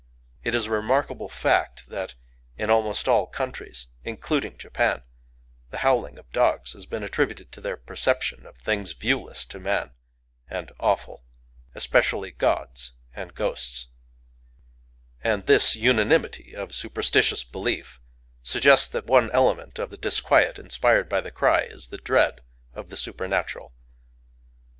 It is a remarkable fact that in almost all countries (including Japan) the howling of dogs has been attributed to their perception of things viewless to man, and awful,—especially gods and ghosts;—and this unanimity of superstitious belief suggests that one element of the disquiet inspired by the cry is the dread of the supernatural.